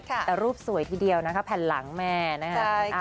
แต่รูปสวยทีเดียวนะคะแผ่นหลังแม่นะคะ